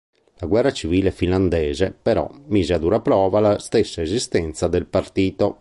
La guerra civile finlandese, però, mise a dura prova la stessa esistenza del partito.